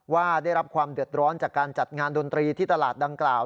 ว่าได้รับความเดือดร้อนจากการจัดงานดนตรีที่ตลาดดังกล่าว